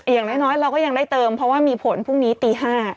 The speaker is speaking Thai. อย่างน้อยเราก็ยังได้เติมเพราะว่ามีผลพรุ่งนี้ตี๕